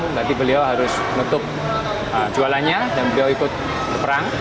berarti beliau harus nutup jualannya dan beliau ikut perang